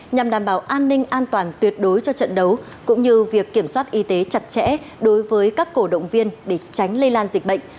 nhằm đảm bảo an ninh an toàn tuyệt đối cho trận đấu cũng như việc kiểm soát y tế chặt chẽ đối với các cổ động viên để tránh lây lan dịch bệnh